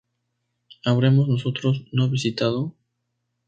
¿Habremos nosotros no visitado?